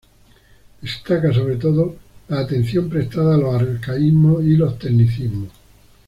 Destaca sobre todo la atención prestada a los arcaísmos y los tecnicismos.